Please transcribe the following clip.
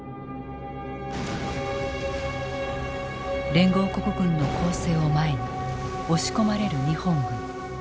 連合国軍の攻勢を前に押し込まれる日本軍。